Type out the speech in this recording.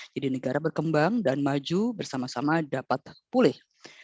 jadi negara berkembang dan maju bersama sama dapat pulih